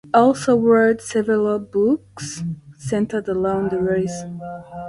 He also wrote several books centered around the race.